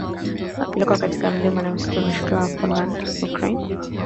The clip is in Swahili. Wamepelekwa katika milima na msituni mashariki mwa Poland kilomita chache tu kutoka mpaka wa Ukraine.